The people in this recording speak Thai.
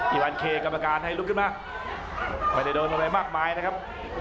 อีวานเครียร์กรรมการให้ลุกขึ้นมาไม่ได้โดนไปมากมายนะครับ